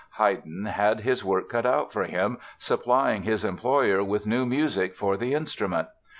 Haydn had his work cut out for him supplying his employer with new music for the instrument.